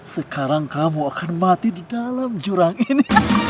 sekarang kamu akan mati di dalam jurang ini